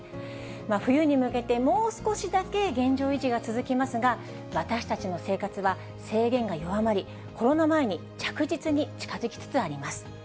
冬に向けて、もう少しだけ現状維持が続きますが、私たちの生活は制限が弱まり、コロナ前に着実に近づきつつあります。